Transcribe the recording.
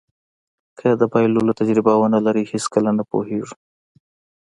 که د بایللو تجربه ونلرئ هېڅکله نه پوهېږو.